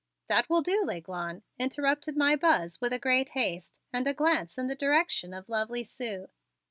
"That will do, L'Aiglon," interrupted my Buzz with a great haste and a glance in the direction of lovely Sue.